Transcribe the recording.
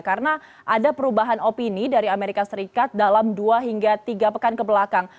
karena ada perubahan opini dari amerika serikat dalam dua hingga tiga pekan kebelakang